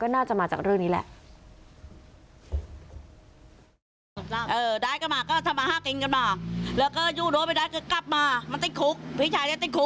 น่าจะมาจากเรื่องนี้แหละ